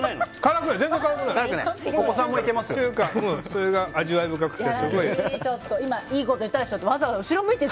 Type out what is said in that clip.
それが味わい深くて。